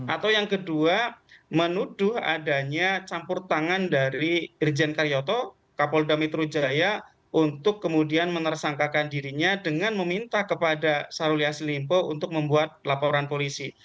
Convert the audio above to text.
atau yang kedua menuduh adanya campur tangan dari irjen karyoto kapolda metro jaya untuk kemudian menersangkakan dirinya dengan meminta kepada sarul yassin limpo untuk membuat laporan polisi